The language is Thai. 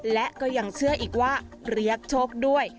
และก็ยังเชื่ออีกว่าเรียกโชคด้วย